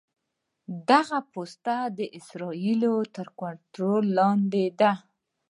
دغه پوستې د اسرائیلو تر کنټرول لاندې دي.